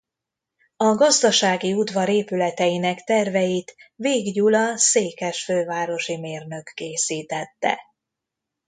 A gazdasági udvar épületeinek terveit Végh Gyula székesfővárosi mérnök készítette.